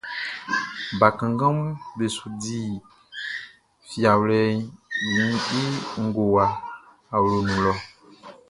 Bakannganʼm be su di fiawlɛʼn i ngowa awloʼn nun lɔ.